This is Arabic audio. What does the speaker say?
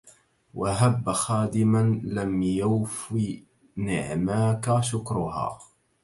وهب خادما لم يوف نعماك شكرها